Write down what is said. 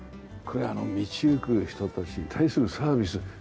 これあの道行く人たちに対するサービス。